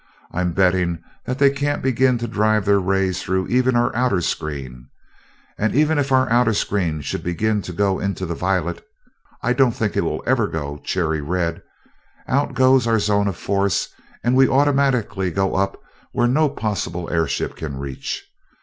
I'm betting that they can't begin to drive their rays through even our outer screen. And even if our outer screen should begin to go into the violet I don't think it will even go cherry red out goes our zone of force and we automatically go up where no possible airship can reach.